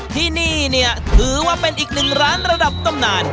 ที่นี่เนี่ยถือว่าเป็นอีกหนึ่งร้านระดับตำนาน